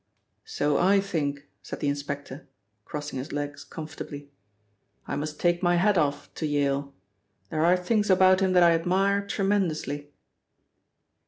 "So I think," said the inspector, crossing his legs comfortably. "I must take my hat off to Yale. There are things about him that I admire tremendously."